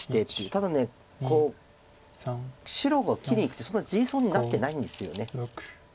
ただ白が切りにいくってそんなに地損になってないんですよね。